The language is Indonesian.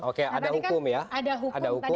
oke ada hukum ya ada hukum